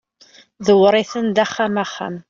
ḍewwer-iten-d axxam axxam